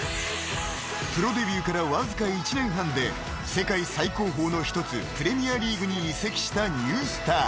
［プロデビューからわずか１年半で世界最高峰の一つプレミアリーグに移籍したニュースター］